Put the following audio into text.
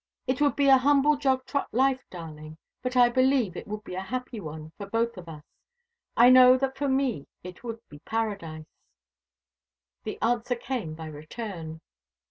It would be a humble jog trot life, darling; but I believe it would be a happy one for both of us. I know that for me it would be Paradise." The answer came by return.